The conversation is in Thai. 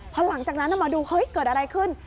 พอหลังจากนั้นมาดูเฮ้ยเกิดอะไรขึ้น